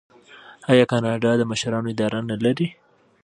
آیا کاناډا د مشرانو اداره نلري؟